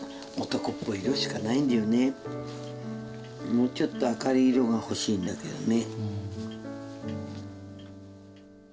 もうちょっと明るい色が欲しいんだけどね。